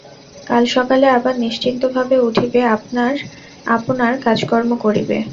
কাল সকালে আবার নিশ্চিন্তভাবে উঠিবে, আপনার আপনার কাজকর্ম করিবে।